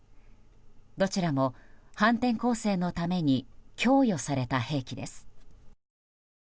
どちらも反転攻勢のために供与された兵器です。